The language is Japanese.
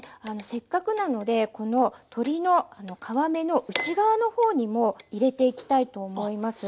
せっかくなのでこの鶏の皮目の内側の方にも入れていきたいと思います。